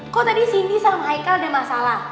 kok tadi sinti sama heikal ada masalah